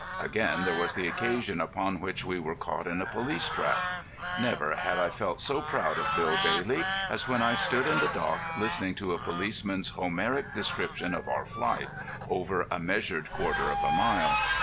Again, there was the occasion upon which we were caught in a police trap. Never had I felt so proud of Bill Bailey as when I stood in the dock listening to a policeman's Homeric description of our flight, over a measured quarter of a mile.